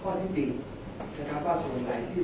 แต่ว่าไม่มีปรากฏว่าถ้าเกิดคนให้ยาที่๓๑